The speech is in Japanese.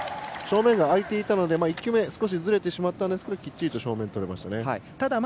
前が空いていたので１球目少しずれてしまったんですけどきっちりと正面とれましたね。